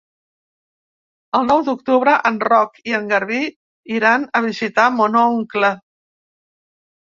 El nou d'octubre en Roc i en Garbí iran a visitar mon oncle.